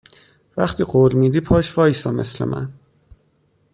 وقتی قول میدی پاش وایسا مثل من